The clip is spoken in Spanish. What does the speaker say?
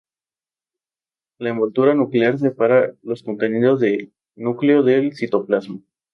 La envoltura nuclear separa los contenidos de núcleo del citoplasma.